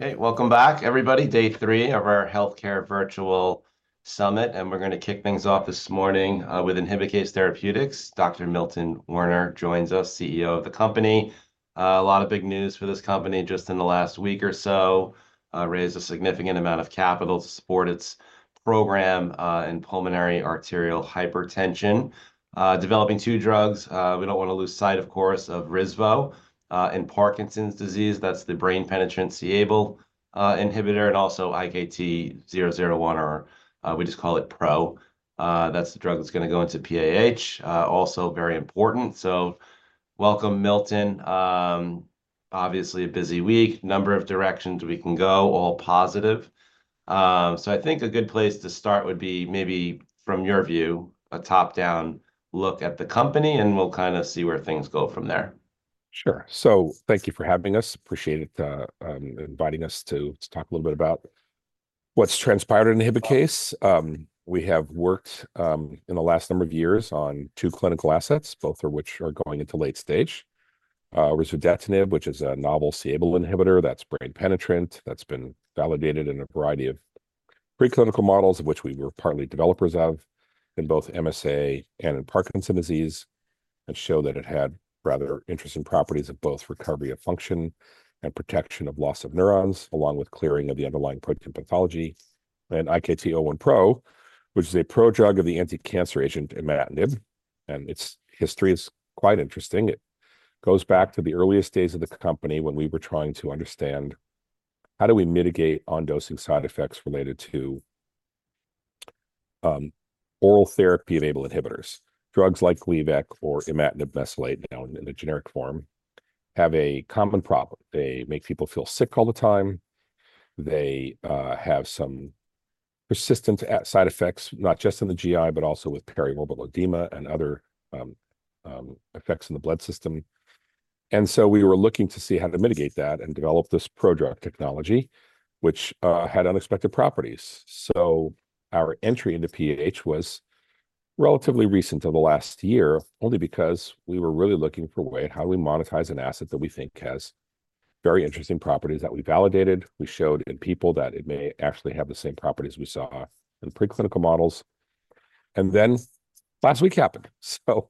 Hey, welcome back, everybody. Day three of our healthcare virtual summit, and we're gonna kick things off this morning with Inhibikase Therapeutics. Dr. Milton Werner joins us, CEO of the company. A lot of big news for this company just in the last week or so. Raised a significant amount of capital to support its program in pulmonary arterial hypertension. Developing two drugs, we don't wanna lose sight, of course, of Risvo in Parkinson's disease. That's the brain-penetrant c-Abl inhibitor, and also IKT-001, or we just call it Pro. That's the drug that's gonna go into PAH, also very important. So welcome, Milton. Obviously a busy week, number of directions we can go, all positive. So, I think a good place to start would be maybe from your view, a top-down look at the company, and we'll kind of see where things go from there. Sure. So thank you for having us. Appreciate it, inviting us to talk a little bit about what's transpired in Inhibikase. We have worked in the last number of years on two clinical assets, both of which are going into late stage. Risvodetinib, which is a novel c-Abl inhibitor that's brain penetrant, that's been validated in a variety of preclinical models, of which we were partly developers of in both MSA and in Parkinson's disease, and show that it had rather interesting properties of both recovery of function and protection of loss of neurons, along with clearing of the underlying protein pathology. And IKT-001 Pro, which is a prodrug of the anti-cancer agent imatinib, and its history is quite interesting. It goes back to the earliest days of the company, when we were trying to understand how do we mitigate on-dosing side effects related to oral therapy-enabled inhibitors. Drugs like Gleevec or imatinib mesylate, now in a generic form, have a common problem. They make people feel sick all the time, they have some persistent side effects, not just in the GI, but also with periorbital edema and other effects in the blood system. And so we were looking to see how to mitigate that and develop this prodrug technology, which had unexpected properties. So our entry into PAH was relatively recent, until the last year, only because we were really looking for a way, how do we monetize an asset that we think has very interesting properties that we validated, we showed in people that it may actually have the same properties we saw in preclinical models? And then last week happened, so,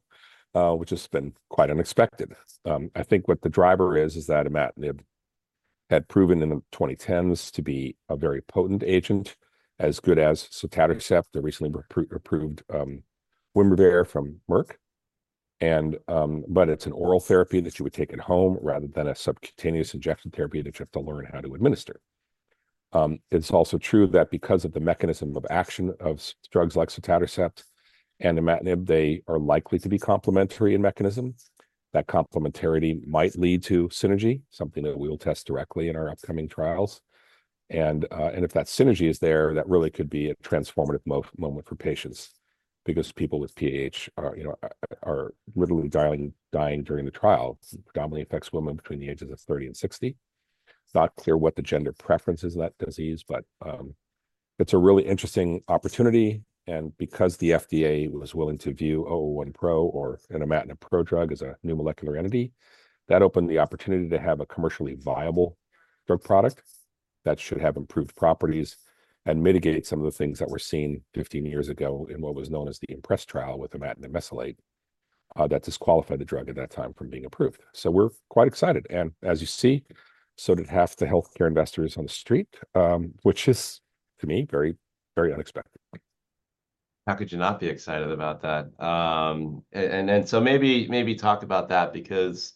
which has been quite unexpected. I think what the driver is, is that imatinib had proven in the twenty tens to be a very potent agent, as good as sotatercept, the recently approved, Winrevair from Merck. And, but it's an oral therapy that you would take at home, rather than a subcutaneous injection therapy that you have to learn how to administer. It's also true that because of the mechanism of action of such drugs like sotatercept and imatinib, they are likely to be complementary in mechanism. That complementarity might lead to synergy, something that we will test directly in our upcoming trials, and if that synergy is there, that really could be a transformative moment for patients. Because people with PAH are, you know, literally dying during the trial. It predominantly affects women between the ages of 30 and 60. It's not clear what the gender preference is of that disease, but it's a really interesting opportunity, and because the FDA was willing to view IKT-001 Pro or an imatinib prodrug as a new molecular entity, that opened the opportunity to have a commercially viable drug product that should have improved properties and mitigate some of the things that were seen fifteen years ago in what was known as the IMPRESS trial with imatinib mesylate. That disqualified the drug at that time from being approved. So we're quite excited, and as you see, so did half the healthcare investors on the street, which is, to me, very, very unexpected. How could you not be excited about that? And so maybe talk about that, because...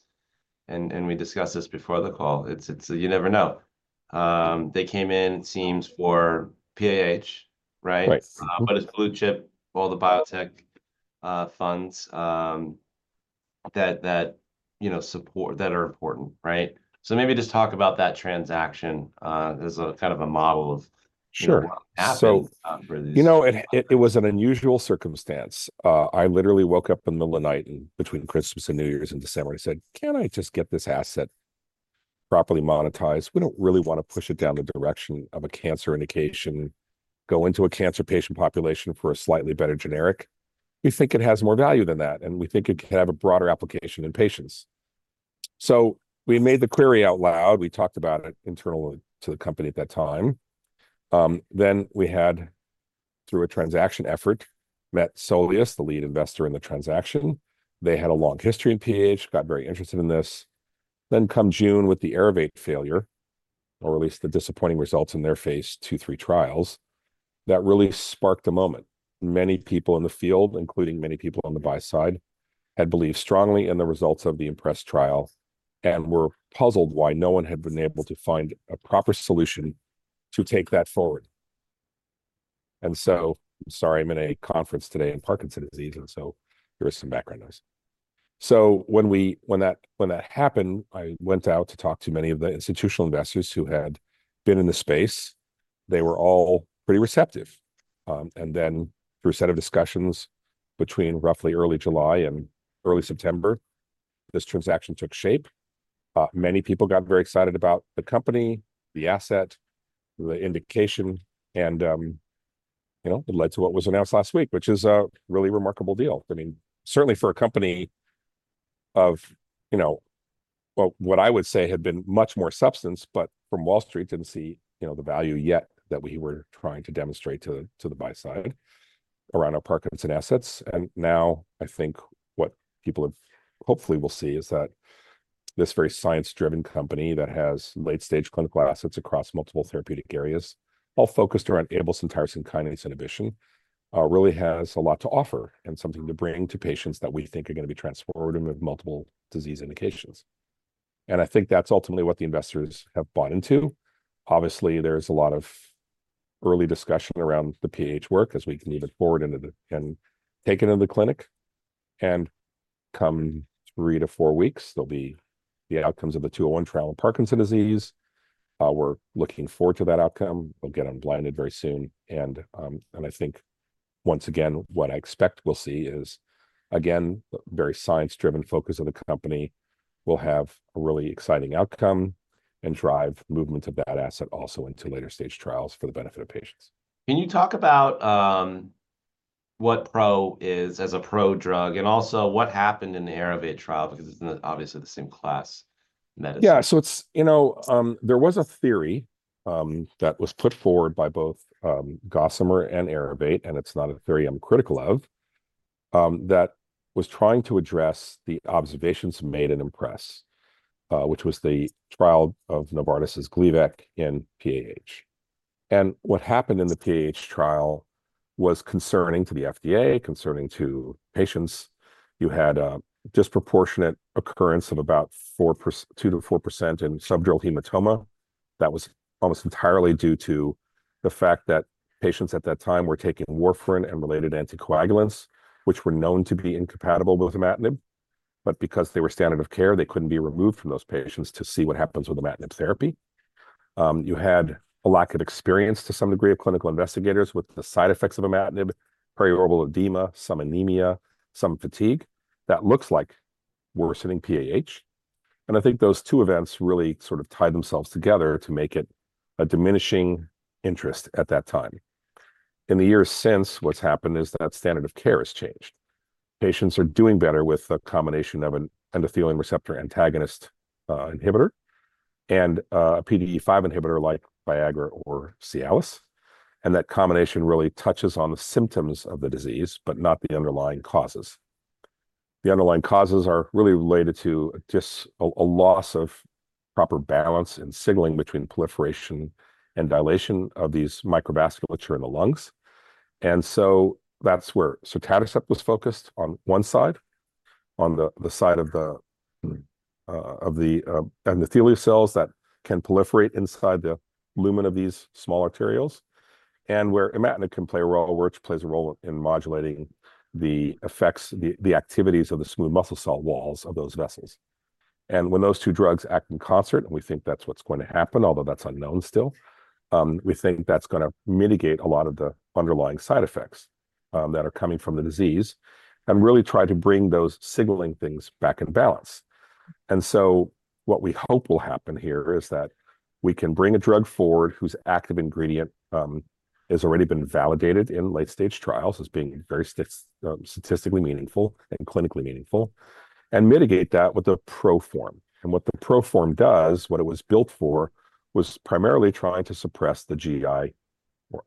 And we discussed this before the call. It's you never know. They came in, it seems, for PAH, right? Right. But it's blue chip, all the biotech funds that you know support that are important, right? So maybe just talk about that transaction as a kind of a model of- Sure What happened, for these You know, it was an unusual circumstance. I literally woke up in the middle of the night in between Christmas and New Year's in December, and said: "Can I just get this asset properly monetized? We don't really want to push it down the direction of a cancer indication, go into a cancer patient population for a slightly better generic. We think it has more value than that, and we think it could have a broader application in patients." So we made the query out loud. We talked about it internally to the company at that time. Then we had, through a transaction effort, met Soleus, the lead investor in the transaction. They had a long history in PAH, got very interested in this. Then come June, with the Aerovate failure, or at least the disappointing results in their phase two, three trials, that really sparked a moment. Many people in the field, including many people on the buy side, had believed strongly in the results of the IMPRESS trial and were puzzled why no one had been able to find a proper solution to take that forward. And so... Sorry, I'm in a conference today in Parkinson's disease, and so there is some background noise. So when that happened, I went out to talk to many of the institutional investors who had been in the space. They were all pretty receptive. And then through a set of discussions between roughly early July and early September, this transaction took shape. Many people got very excited about the company, the asset, the indication, and you know, it led to what was announced last week, which is a really remarkable deal. I mean, certainly for a company of, you know, well, what I would say had been much more substance, but from Wall Street didn't see, you know, the value yet that we were trying to demonstrate to the buy side around our Parkinson assets. And now I think what people have hopefully will see is that this very science-driven company that has late-stage clinical assets across multiple therapeutic areas, all focused around Abelson tyrosine kinase inhibition, really has a lot to offer and something to bring to patients that we think are gonna be transformative in multiple disease indications. And I think that's ultimately what the investors have bought into. Obviously, there's a lot of early discussion around the PAH work as we can move it forward into the clinic and take it into the clinic. In three to four weeks, there'll be the outcomes of the 201 trial in Parkinson's disease. We're looking forward to that outcome. We'll get unblinded very soon, and I think once again, what I expect we'll see is, again, the very science-driven focus of the company will have a really exciting outcome and drive movement of that asset also into later-stage trials for the benefit of patients. Can you talk about what pro is as a pro-drug, and also what happened in the Aerovate trial? Because it's in the obviously the same class medicine. Yeah. So it's, you know, there was a theory that was put forward by both Gossamer and Aerovate, and it's not a theory I'm critical of that was trying to address the observations made in IMPRESS, which was the trial of Novartis' Gleevec in PAH. And what happened in the PAH trial was concerning to the FDA, concerning to patients. You had a disproportionate occurrence of about 2%-4% in subdural hematoma. That was almost entirely due to the fact that patients at that time were taking warfarin and related anticoagulants, which were known to be incompatible with imatinib. But because they were standard of care, they couldn't be removed from those patients to see what happens with imatinib therapy. You had a lack of experience, to some degree, of clinical investigators with the side effects of imatinib, periorbital edema, some anemia, some fatigue, that looks like worsening PAH, and I think those two events really sort of tied themselves together to make it a diminishing interest at that time. In the years since, what's happened is that standard of care has changed. Patients are doing better with a combination of an endothelin receptor antagonist inhibitor, and PDE5 inhibitor, like Viagra or Cialis, and that combination really touches on the symptoms of the disease, but not the underlying causes. The underlying causes are really related to just a loss of proper balance in signaling between proliferation and dilation of these microvasculature in the lungs. And so that's where sotatercept was focused on one side, on the side of the endothelial cells that can proliferate inside the lumen of these small arteries, and where imatinib can play a role, which plays a role in modulating the effects, the activities of the smooth muscle cell walls of those vessels. And when those two drugs act in concert, and we think that's what's going to happen, although that's unknown still, we think that's gonna mitigate a lot of the underlying side effects that are coming from the disease, and really try to bring those signaling things back in balance. And so what we hope will happen here is that we can bring a drug forward whose active ingredient has already been validated in late-stage trials as being very statistically meaningful and clinically meaningful, and mitigate that with a pro form. What the pro form does, what it was built for, was primarily trying to suppress the GI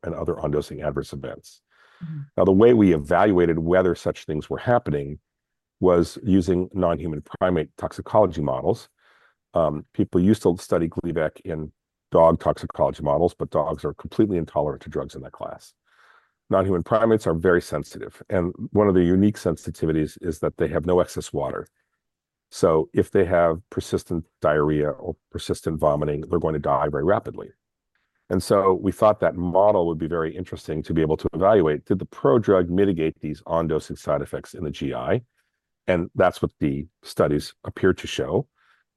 and other on-dosing adverse events. Mm-hmm. Now, the way we evaluated whether such things were happening was using non-human primate toxicology models. People used to study Gleevec in dog toxicology models, but dogs are completely intolerant to drugs in that class. Non-human primates are very sensitive, and one of the unique sensitivities is that they have no excess water. So if they have persistent diarrhea or persistent vomiting, they're going to die very rapidly. And so we thought that model would be very interesting to be able to evaluate: Did the prodrug mitigate these on-dosing side effects in the GI? And that's what the studies appeared to show.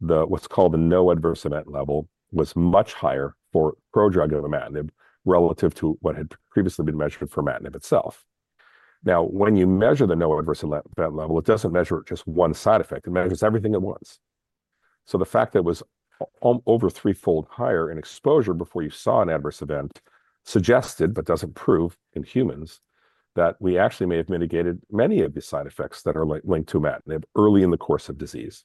The what's called the no adverse event level, was much higher for prodrug imatinib, relative to what had previously been measured for imatinib itself. Now, when you measure the no adverse event level, it doesn't measure just one side effect, it measures everything at once. So the fact that it was over threefold higher in exposure before you saw an adverse event suggested, but doesn't prove in humans, that we actually may have mitigated many of these side effects that are linked to imatinib early in the course of disease.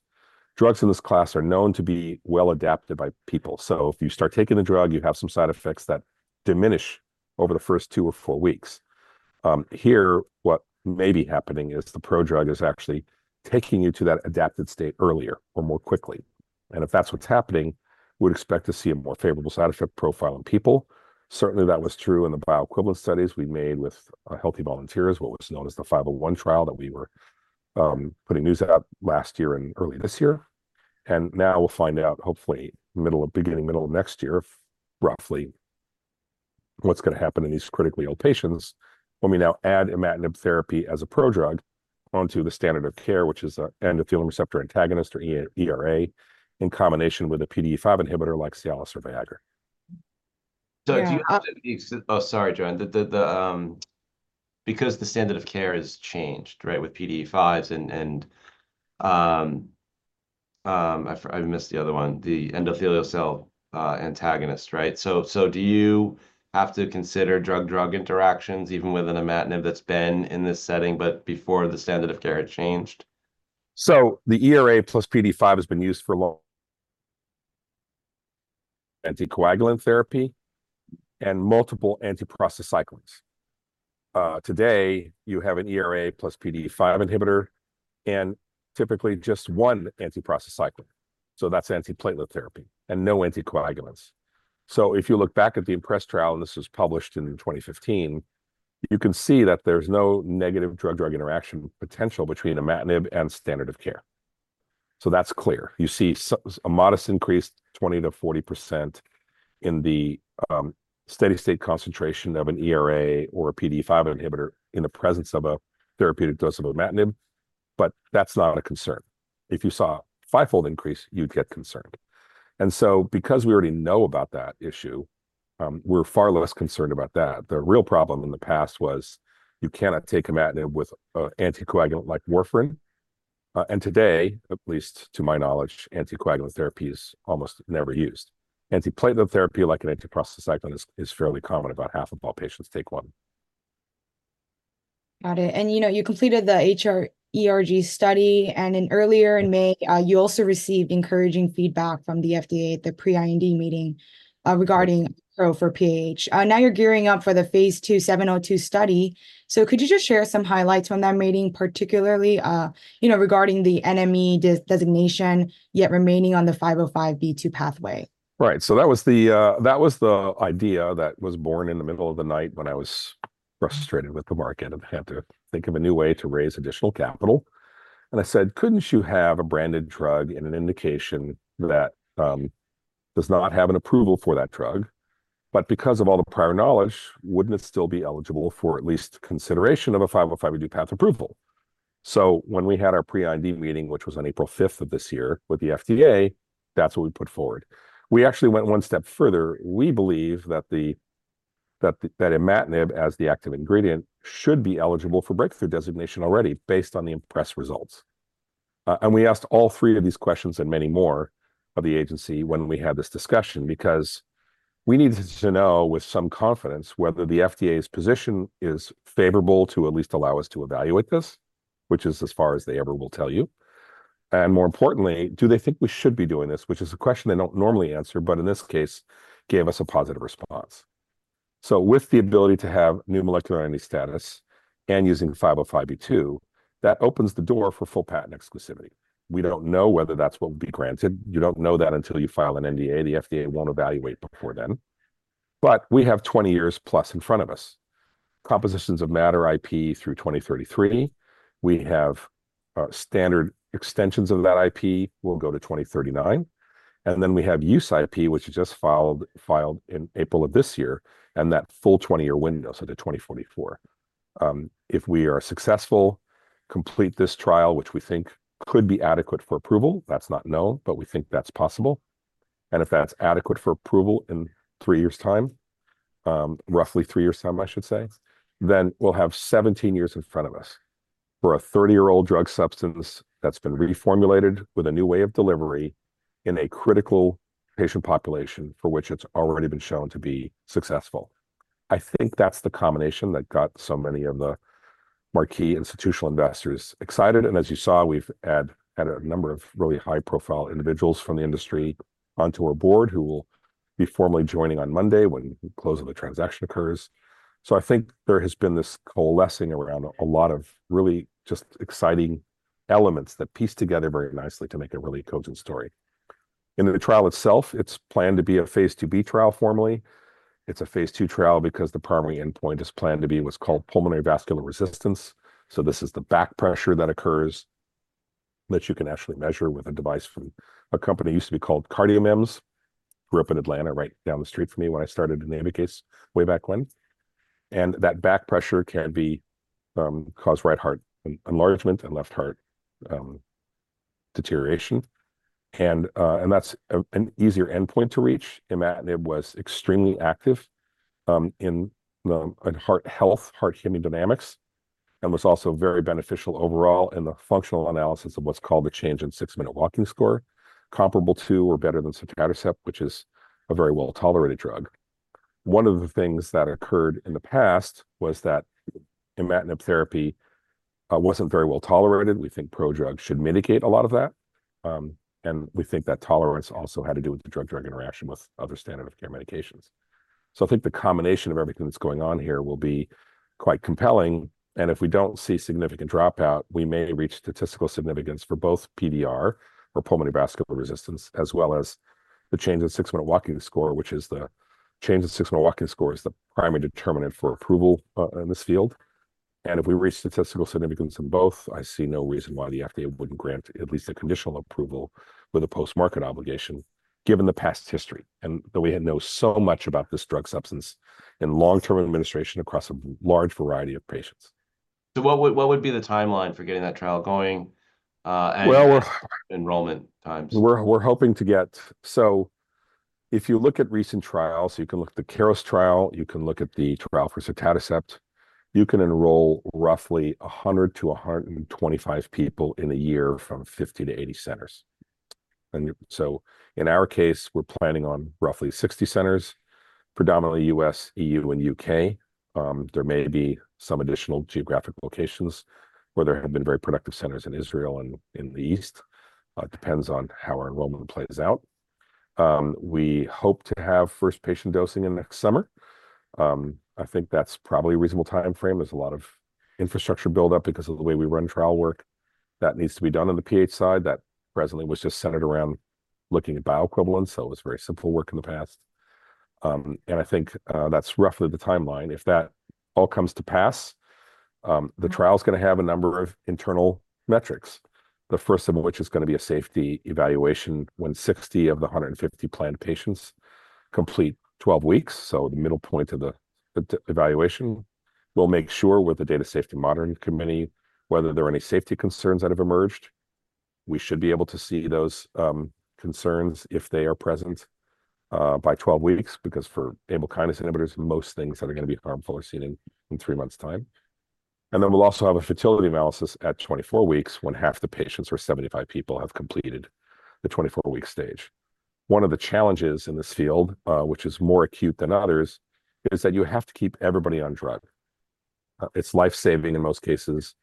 Drugs in this class are known to be well adapted by people. So if you start taking the drug, you have some side effects that diminish over the first two or four weeks. Here, what may be happening is the prodrug is actually taking you to that adapted state earlier or more quickly, and if that's what's happening, we'd expect to see a more favorable side effect profile in people. Certainly, that was true in the bioequivalent studies we made with healthy volunteers, what was known as the 501 trial, that we were putting news out last year and early this year. And now we'll find out, hopefully middle of... beginning, middle of next year, roughly, what's gonna happen in these critically ill patients when we now add imatinib therapy as a pro drug onto the standard of care, which is an endothelin receptor antagonist, or ERA, in combination with a PDE5 inhibitor, like Cialis or Viagra. Yeah. So do you... Oh, sorry, Joanne. Because the standard of care has changed, right, with PDE5s and... I missed the other one, the endothelin receptor antagonist, right? So do you have to consider drug-drug interactions even with an imatinib that's been in this setting but before the standard of care had changed? So the ERA plus PDE5 has been used for long anticoagulant therapy and multiple anti-prostacyclins. Today, you have an ERA plus PDE5 inhibitor, and typically just one anti-prostacyclin. So that's antiplatelet therapy, and no anticoagulants. So if you look back at the IMPRESS trial, and this was published in 2015, you can see that there's no negative drug-drug interaction potential between imatinib and standard of care. So that's clear. You see a modest increase, 20%-40%, in the steady state concentration of an ERA or a PDE5 inhibitor in the presence of a therapeutic dose of imatinib, but that's not a concern. If you saw a fivefold increase, you'd get concerned. And so, because we already know about that issue, we're far less concerned about that. The real problem in the past was you cannot take imatinib with an anticoagulant like warfarin, and today, at least to my knowledge, anticoagulant therapy is almost never used. Antiplatelet therapy, like a prostacyclin, is fairly common. About half of all patients take one. Got it. And, you know, you completed the hERG study, and earlier in May, you also received encouraging feedback from the FDA at the pre-IND meeting, regarding pro for PH. Now you're gearing up for the phase 2 702 study. So could you just share some highlights from that meeting, particularly, you know, regarding the NME designation, yet remaining on the 505(b)(2) pathway? Right. So that was the idea that was born in the middle of the night when I was frustrated with the market and had to think of a new way to raise additional capital. And I said, "Couldn't you have a branded drug and an indication that does not have an approval for that drug? But because of all the prior knowledge, wouldn't it still be eligible for at least consideration of a 505(b)(2) path approval?" So when we had our pre-IND meeting, which was on April fifth of this year with the FDA, that's what we put forward. We actually went one step further. We believe that imatinib, as the active ingredient, should be eligible for breakthrough designation already based on the IMPRESS results. And we asked all three of these questions, and many more, of the agency when we had this discussion, because we needed to know, with some confidence, whether the FDA's position is favorable to at least allow us to evaluate this, which is as far as they ever will tell you. And more importantly, do they think we should be doing this? Which is a question they don't normally answer, but in this case, gave us a positive response. So with the ability to have new molecular entity status and using 505(b)(2), that opens the door for full patent exclusivity. We don't know whether that's what will be granted. You don't know that until you file an NDA. The FDA won't evaluate before then, but we have 20 years plus in front of us. Compositions of matter IP through 2033. We have standard extensions of that IP will go to 2039, and then we have use IP, which we just filed in April of this year, and that full twenty-year window, so to 2044. If we are successful, complete this trial, which we think could be adequate for approval, that's not known, but we think that's possible, and if that's adequate for approval in three years' time, roughly three years' time, I should say, then we'll have 17 years in front of us. For a 30-year-old drug substance that's been reformulated with a new way of delivery in a critical patient population, for which it's already been shown to be successful. I think that's the combination that got so many of the marquee institutional investors excited, and as you saw, we've added a number of really high-profile individuals from the industry onto our board, who will be formally joining on Monday, when the close of the transaction occurs. So I think there has been this coalescing around a lot of really just exciting elements that piece together very nicely to make a really cogent story. In the trial itself, it's planned to be a phase 2b trial, formally. It's a phase 2 trial because the primary endpoint is planned to be what's called pulmonary vascular resistance. So this is the back pressure that occurs, that you can actually measure with a device from a company that used to be called CardioMEMS. Grew up in Atlanta, right down the street from me, when I started in Amicus way back when. That back pressure can be cause right heart enlargement and left heart deterioration. And that's an easier endpoint to reach. Imatinib was extremely active in heart health, heart hemodynamics, and was also very beneficial overall in the functional analysis of what's called the change in six-minute walking score, comparable to or better than sildenafil, which is a very well-tolerated drug. One of the things that occurred in the past was that imatinib therapy wasn't very well tolerated. We think prodrug should mitigate a lot of that. And we think that tolerance also had to do with the drug-drug interaction with other standard of care medications. I think the combination of everything that's going on here will be quite compelling, and if we don't see significant dropout, we may reach statistical significance for both PVR, or pulmonary vascular resistance, as well as the change in 6-minute walk distance, which is the primary determinant for approval in this field. And if we reach statistical significance in both, I see no reason why the FDA wouldn't grant at least a conditional approval with a post-market obligation, given the past history, and that we know so much about this drug substance and long-term administration across a large variety of patients. What would, what would be the timeline for getting that trial going, and- Well- - Enrollment times? We're hoping to get. If you look at recent trials, you can look at the Keros trial, you can look at the trial for sotatercept. You can enroll roughly 100 to 125 people in a year from 50 to 80 centers. And so in our case, we're planning on roughly 60 centers, predominantly U.S., EU, and U.K. There may be some additional geographic locations, where there have been very productive centers in Israel and in the East. It depends on how our enrollment plays out. We hope to have first patient dosing in next summer. I think that's probably a reasonable timeframe. There's a lot of infrastructure build-up because of the way we run trial work. That needs to be done on the PAH side. That previously was just centered around looking at bioequivalence, so it was very simple work in the past. I think that's roughly the timeline. If that all comes to pass, the trial's gonna have a number of internal metrics, the first of which is gonna be a safety evaluation when 60 of the 150 planned patients complete 12 weeks, so the middle point of the evaluation. We'll make sure with the Data Safety Monitoring Committee whether there are any safety concerns that have emerged. We should be able to see those concerns if they are present by 12 weeks, because for Abl kinase inhibitors, most things that are gonna be harmful are seen in three months' time. Then we'll also have a fertility analysis at 24 weeks, when half the patients, or 75 people, have completed the 24-week stage. One of the challenges in this field, which is more acute than others, is that you have to keep everybody on drug. It's life-saving in most cases.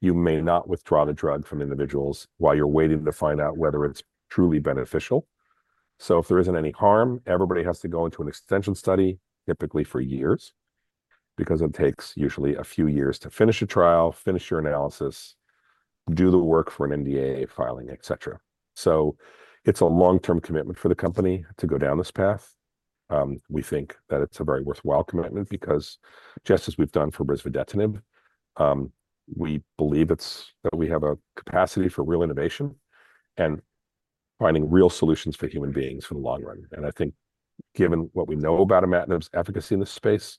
You may not withdraw the drug from individuals while you're waiting to find out whether it's truly beneficial. So if there isn't any harm, everybody has to go into an extension study, typically for years, because it takes usually a few years to finish a trial, finish your analysis, do the work for an NDA filing, et cetera. So it's a long-term commitment for the company to go down this path. We think that it's a very worthwhile commitment because just as we've done for Risodetinib, we believe it's... That we have a capacity for real innovation and finding real solutions for human beings for the long run. And I think, given what we know about imatinib's efficacy in this space,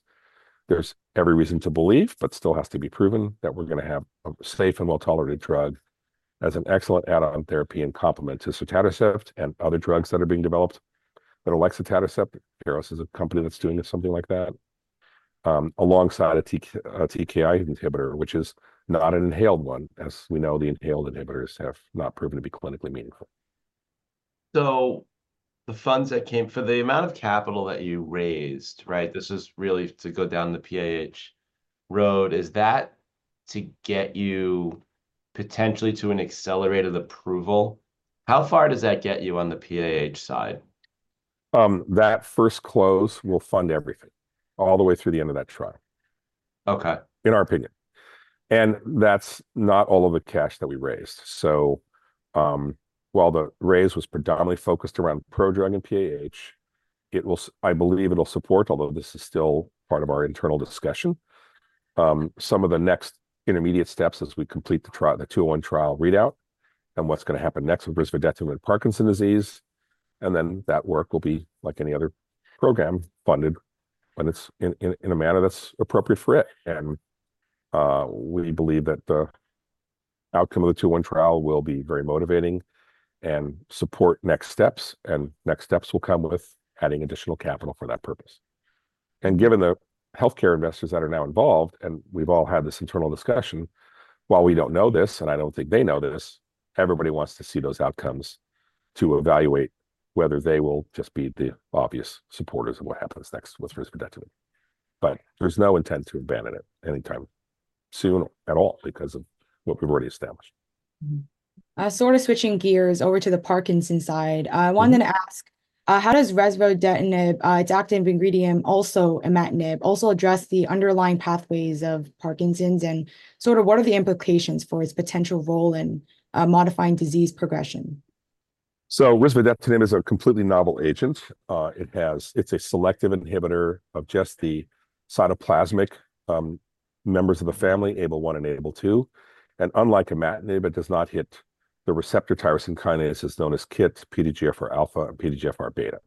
there's every reason to believe, but still has to be proven, that we're gonna have a safe and well-tolerated drug as an excellent add-on therapy and complement to sotatercept and other drugs that are being developed. But like sotatercept, Keros is a company that's doing something like that, alongside a TKI inhibitor, which is not an inhaled one. As we know, the inhaled inhibitors have not proven to be clinically meaningful. So the funds that came for the amount of capital that you raised, right? This is really to go down the PAH road. Is that to get you potentially to an accelerated approval? How far does that get you on the PAH side? That first close will fund everything, all the way through the end of that trial. Okay. In our opinion. And that's not all of the cash that we raised. So, while the raise was predominantly focused around prodrug and PAH, I believe it'll support, although this is still part of our internal discussion, some of the next intermediate steps as we complete the trial, the 201 trial readout, and what's gonna happen next with risodetinib in Parkinson's disease. And then that work will be, like any other program, funded when it's in a manner that's appropriate for it. And, we believe that the outcome of the 201 trial will be very motivating and support next steps, and next steps will come with adding additional capital for that purpose. Given the healthcare investors that are now involved, and we've all had this internal discussion, while we don't know this, and I don't think they know this, everybody wants to see those outcomes to evaluate whether they will just be the obvious supporters of what happens next with Risvodetinib. There's no intent to abandon it anytime soon, at all, because of what we've already established. Mm-hmm. Sort of switching gears over to the Parkinson's side. Mm-hmm... I wanted to ask, how does risodetinib, the c-Abl inhibitor, also imatinib, also address the underlying pathways of Parkinson's? And sort of what are the implications for its potential role in modifying disease progression? Risvodetinib is a completely novel agent. It's a selective inhibitor of just the cytoplasmic members of a family, Abl-1 and Abl-2, and unlike imatinib, it does not hit the receptor tyrosine kinase. It's known as KIT, PDGFR alpha, and PDGFR beta.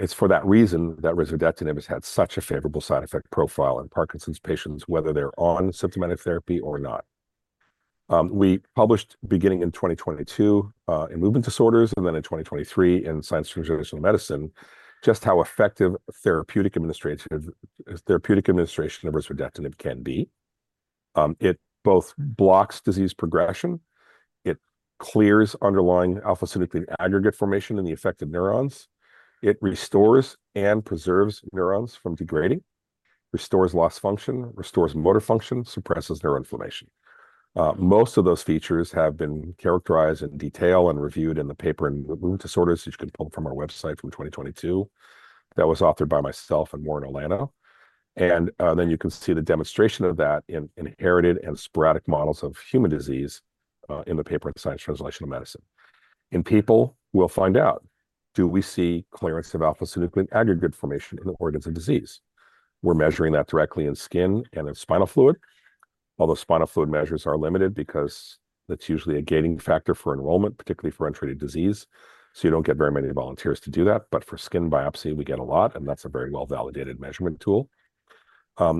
It's for that reason that risvodetinib has had such a favorable side effect profile in Parkinson's patients, whether they're on symptomatic therapy or not. We published, beginning in 2022, in Movement Disorders, and then in 2023 in Science Translational Medicine, just how effective therapeutic administration of risvodetinib can be. It both blocks disease progression, it clears underlying alpha-synuclein aggregate formation in the affected neurons, it restores and preserves neurons from degrading, restores loss function, restores motor function, suppresses neuroinflammation. Most of those features have been characterized in detail and reviewed in the paper in Movement Disorders, which you can pull from our website from twenty twenty-two. That was authored by myself and Warren Olanow. And then you can see the demonstration of that in inherited and sporadic models of human disease, in the paper in Science Translational Medicine. In people, we'll find out, do we see clearance of Alpha-synuclein aggregate formation in the organs of disease? We're measuring that directly in skin and in spinal fluid, although spinal fluid measures are limited because that's usually a gating factor for enrollment, particularly for untreated disease, so you don't get very many volunteers to do that. But for skin biopsy, we get a lot, and that's a very well-validated measurement tool.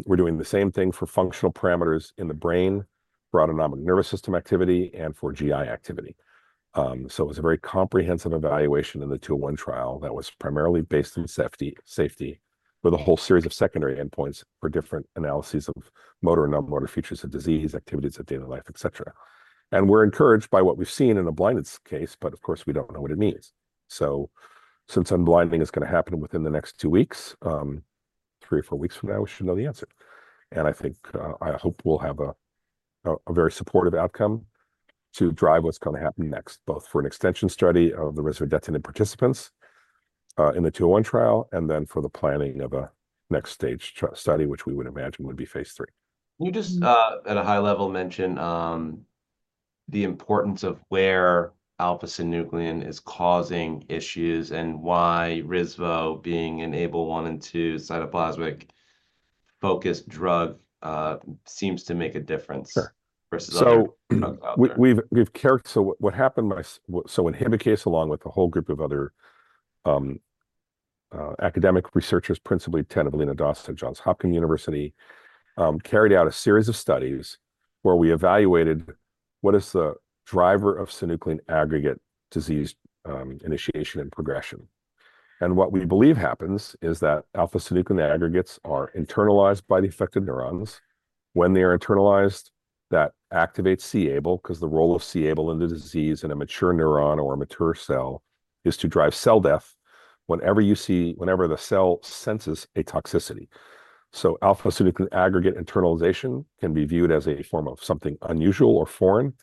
We're doing the same thing for functional parameters in the brain.... autonomic nervous system activity and for GI activity. So it was a very comprehensive evaluation in the 201 trial that was primarily based on safety, with a whole series of secondary endpoints for different analyses of motor and non-motor features of disease, activities of daily life, et cetera, and we're encouraged by what we've seen in a blinded case, but of course, we don't know what it means. Since unblinding is gonna happen within the next two weeks, three or four weeks from now, we should know the answer, and I think, I hope we'll have a very supportive outcome to drive what's gonna happen next, both for an extension study of the risvodetinib participants in the 201 trial, and then for the planning of a next stage study, which we would imagine would be phase 3. Can you just- Mm... at a high level, mention the importance of where alpha-synuclein is causing issues, and why Risvo being an Abl 1 and 2 cytoplasmic-focused drug seems to make a difference- Sure -versus other drugs out there? So in Inhibikase, along with a whole group of other academic researchers, principally Ted Dawson at Johns Hopkins University, carried out a series of studies where we evaluated what is the driver of synuclein aggregate disease initiation and progression. And what we believe happens is that alpha-synuclein aggregates are internalized by the affected neurons. When they are internalized, that activates c-Abl, 'cause the role of c-Abl in the disease, in a mature neuron or a mature cell, is to drive cell death whenever the cell senses a toxicity. So alpha-synuclein aggregate internalization can be viewed as a form of something unusual or foreign.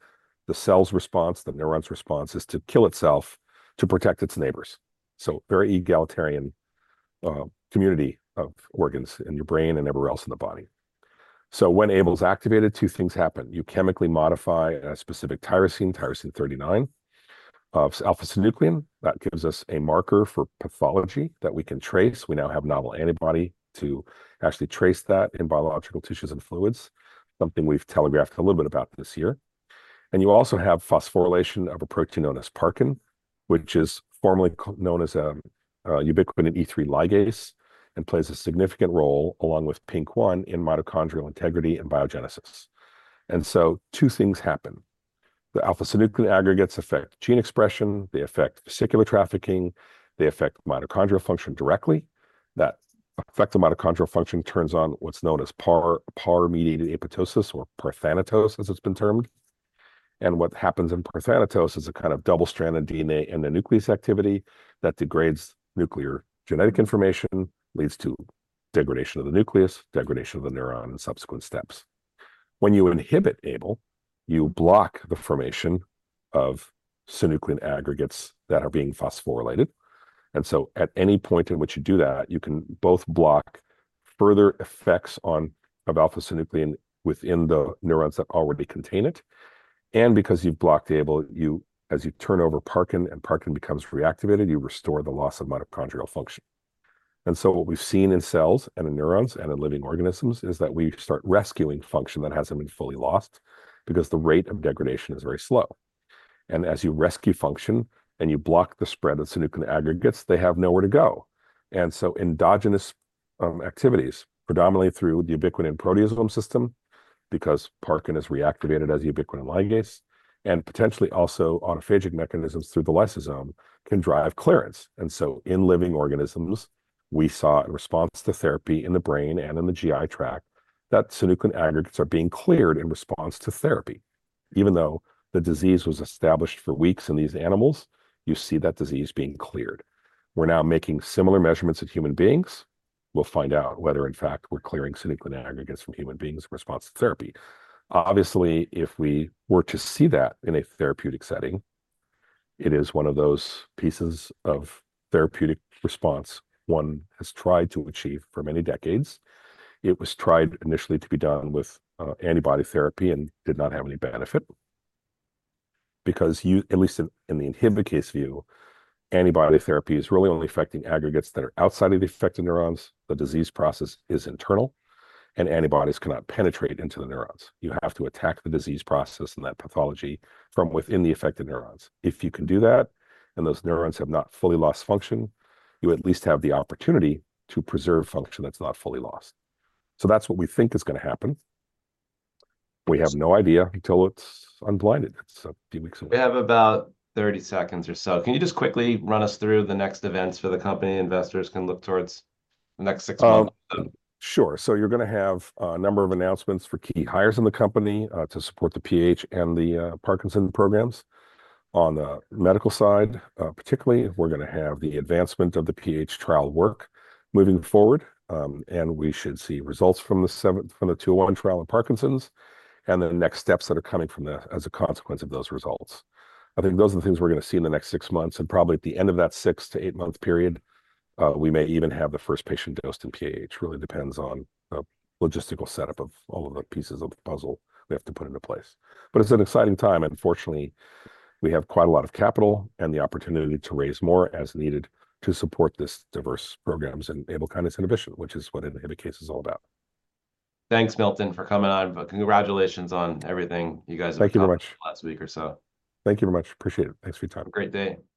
The cell's response, the neuron's response, is to kill itself to protect its neighbors. So very egalitarian community of organs in your brain and everywhere else in the body. So when c-Abl's activated, two things happen: you chemically modify a specific tyrosine, tyrosine 39, of alpha-synuclein. That gives us a marker for pathology that we can trace. We now have novel antibody to actually trace that in biological tissues and fluids, something we've telegraphed a little bit about this year. And you also have phosphorylation of a protein known as parkin, which is formerly known as ubiquitin E3 ligase, and plays a significant role, along with PINK1, in mitochondrial integrity and biogenesis. And so two things happen. The alpha-synuclein aggregates affect gene expression, they affect vesicular trafficking, they affect mitochondrial function directly. That effect on mitochondrial function turns on what's known as PARP, PARP-mediated apoptosis, or parthanatosis, as it's been termed. And what happens in parthanatosis is a kind of double-stranded DNA in the nucleus activity that degrades nuclear genetic information, leads to degradation of the nucleus, degradation of the neuron in subsequent steps. When you inhibit Abl, you block the formation of synuclein aggregates that are being phosphorylated, and so at any point in which you do that, you can both block further effects on, of alpha-synuclein within the neurons that already contain it, and because you've blocked Abl, you... as you turn over parkin and parkin becomes reactivated, you restore the loss of mitochondrial function. And so what we've seen in cells and in neurons and in living organisms is that we start rescuing function that hasn't been fully lost, because the rate of degradation is very slow. And as you rescue function and you block the spread of synuclein aggregates, they have nowhere to go. And so endogenous activities, predominantly through the ubiquitin proteasome system, because parkin is reactivated as a ubiquitin ligase, and potentially also autophagic mechanisms through the lysosome, can drive clearance. And so in living organisms, we saw a response to therapy in the brain and in the GI tract, that synuclein aggregates are being cleared in response to therapy. Even though the disease was established for weeks in these animals, you see that disease being cleared. We're now making similar measurements in human beings. We'll find out whether, in fact, we're clearing synuclein aggregates from human beings in response to therapy. Obviously, if we were to see that in a therapeutic setting, it is one of those pieces of therapeutic response one has tried to achieve for many decades. It was tried initially to be done with antibody therapy and did not have any benefit, because at least in the Inhibikase view, antibody therapy is really only affecting aggregates that are outside of the affected neurons. The disease process is internal, and antibodies cannot penetrate into the neurons. You have to attack the disease process and that pathology from within the affected neurons. If you can do that, and those neurons have not fully lost function, you at least have the opportunity to preserve function that's not fully lost. So that's what we think is gonna happen. We have no idea until it's unblinded, so a few weeks away. We have about thirty seconds or so. Can you just quickly run us through the next events for the company investors can look towards the next six months? Sure, so you're gonna have a number of announcements for key hires in the company to support the PH and the Parkinson's programs. On the medical side, particularly, we're gonna have the advancement of the PH trial work moving forward, and we should see results from the 201 trial in Parkinson's, and the next steps that are coming from, as a consequence of those results. I think those are the things we're gonna see in the next six months, and probably at the end of that six-to-eight-month period, we may even have the first patient dosed in PH. It really depends on the logistical setup of all of the pieces of the puzzle we have to put into place. But it's an exciting time, and fortunately, we have quite a lot of capital and the opportunity to raise more as needed to support these diverse programs and Abl kinase inhibition, which is what Inhibikase is all about. Thanks, Milton, for coming on, but congratulations on everything. You guys- Thank you very much. last week or so. Thank you very much. Appreciate it. Thanks for your time. Have a great day. Bye-bye.